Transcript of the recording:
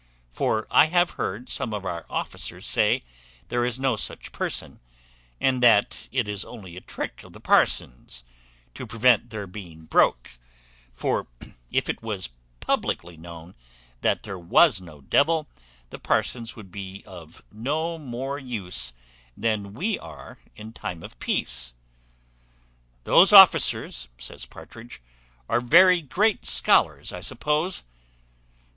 For I have heard some of our officers say there is no such person; and that it is only a trick of the parsons, to prevent their being broke; for, if it was publickly known that there was no devil, the parsons would be of no more use than we are in time of peace." "Those officers," says Partridge, "are very great scholars, I suppose."